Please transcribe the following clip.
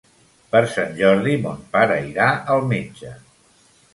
Per Sant Jordi mon pare irà al metge.